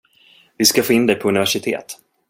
Vi ska få in dig på universitet.